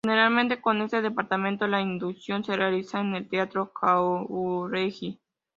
Generalmente, en este departamento la inducción se realiza en el Teatro Jauregui.